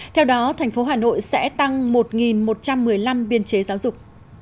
theo đó tp hà nội sẽ tăng một một trăm một mươi năm biên chế giáo dục